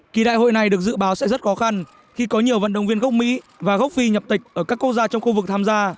kỳ đại hội này được dự báo sẽ rất khó khăn khi có nhiều vận động viên gốc mỹ và gốc phi nhập tịch ở các quốc gia trong khu vực tham gia